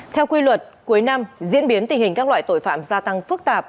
theo quy luật cuối năm diễn biến tình hình các loại tội phạm gia tăng phức tạp